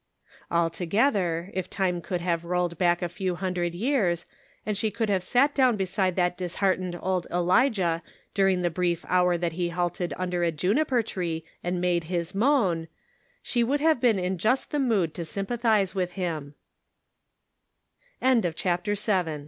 Altogether, if time could have rolled back a few hundred years, and she could have sat down beside that disheartened old Elijah dur ing the brief hour that he halted under a juni per tree and made his moan, she would have been in just the mood to sympathize with